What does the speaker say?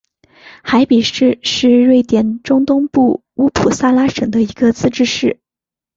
海比市是瑞典中东部乌普萨拉省的一个自治市。